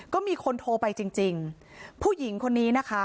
๑๔๒๒ก็มีคนโทรไปจริงผู้หญิงคนนี้นะคะ